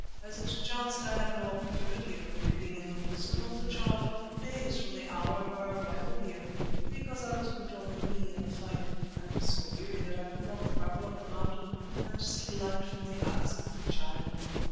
As it chanced I had no opportunity of breathing in the wisdom of the Child for two days from the hour of our arrival here, because I was hurt on the knee in the fight and so weary that I could not travel up the mountain and seek light from the eyes of the Child.